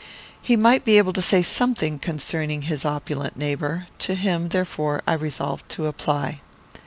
He might be able to say something concerning his opulent neighbour. To him, therefore, I resolved to apply.